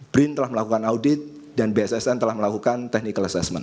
brin telah melakukan audit dan bssn telah melakukan technical assessment